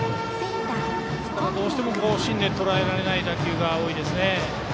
どうしても芯でとらえられない打球が多いですよね。